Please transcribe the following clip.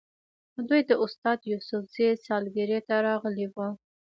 دوی د استاد یوسفزي سالګرې ته راغلي وو.